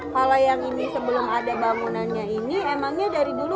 kementerian pekerjaan umum dan perumahan rakyat atau kementerian pupr